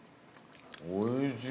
おいしい。